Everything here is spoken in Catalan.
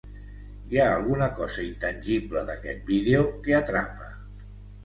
Hi ha alguna cosa intangible d’aquest vídeo que atrapa.